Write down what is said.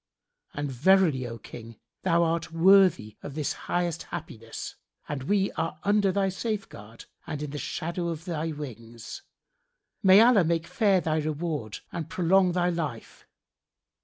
And verily, O King, thou art worthy of this highest happiness, and we are under thy safeguard and in the shadow of thy wings, may Allah make fair thy reward and prolong thy life!